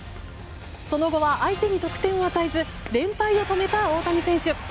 その後は相手に得点を与えず連敗を止めた大谷選手。